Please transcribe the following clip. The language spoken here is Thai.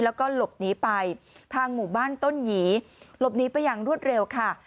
แล้วก็หลบหนีไปทางหมู่บ้านต้นหยีหลบหนีไปอย่างรวดเร็วค่ะ